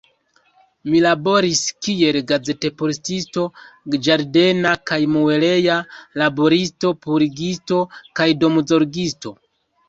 Mi laboris kiel gazetportisto, ĝardena kaj mueleja laboristo, purigisto kaj domzorgisto.